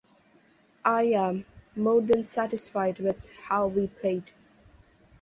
I am more than satisfied with how we played.